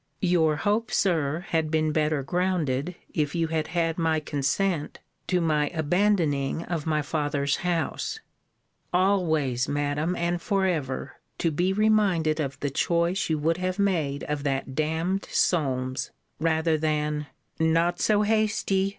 Your hope, Sir, had been better grounded if you had had my consent to my abandoning of my father's house Always, Madam, and for ever, to be reminded of the choice you would have made of that damn'd Solmes rather than Not so hasty!